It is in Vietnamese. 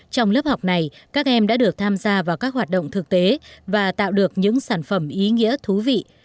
trong lớp học này các em đã được tham gia vào các hoạt động thực tế và tạo được những sản phẩm ý nghĩa thú vị